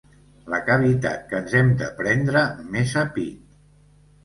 La cavitat que ens hem de prendre més a pit.